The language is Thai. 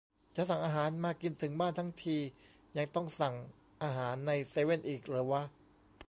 "จะสั่งอาหารมากินถึงบ้านทั้งที ยังต้องสั่งอาหารในเซเว่นอีกเหรอวะ"